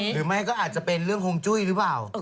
หรือไม่ก็อาจจะเป็นเรื่องฮงจุ้ยหรือเปล่า